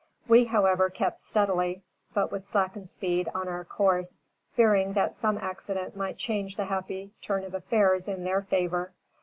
We, however, kept steadily, but with slackened speed, on our course, fearing that some accident might change the happy turn of affairs in their favor.